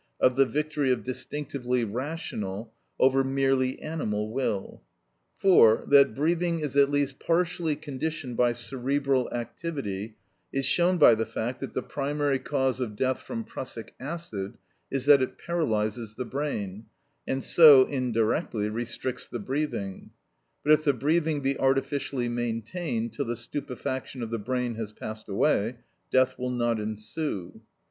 _, of the victory of distinctively rational over merely animal will. For, that breathing is at least partially conditioned by cerebral activity is shown by the fact that the primary cause of death from prussic acid is that it paralyses the brain, and so, indirectly, restricts the breathing; but if the breathing be artificially maintained till the stupefaction of the brain has passed away, death will not ensue.